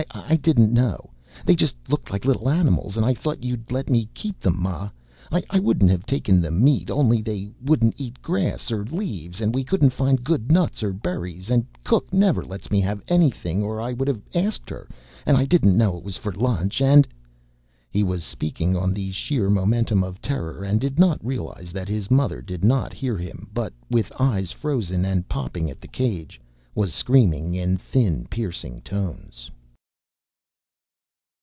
I didn't know. They just looked like little animals and I thought you'd let me keep them, ma. I wouldn't have taken the meat only they wouldn't eat grass or leaves and we couldn't find good nuts or berries and cook never lets me have anything or I would have asked her and I didn't know it was for lunch and " He was speaking on the sheer momentum of terror and did not realize that his mother did not hear him but, with eyes frozen and popping at the cage, was screaming in thin, piercing tones.